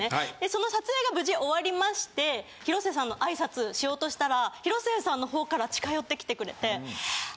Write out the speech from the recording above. その撮影が無事終わりまして広末さんの挨拶しようとしたら広末さんのほうから近寄ってきてくれて。